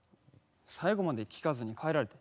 最後まで聴かずに帰られた。